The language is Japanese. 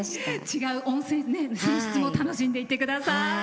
違う温泉楽しんでいってください。